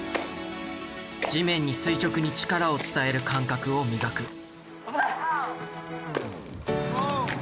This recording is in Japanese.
地面に垂直に力を伝える感覚を磨く。